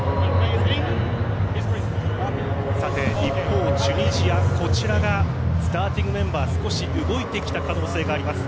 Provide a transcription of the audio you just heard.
一方、チュニジアこちらがスターティングメンバー少し動いてきた可能性があります。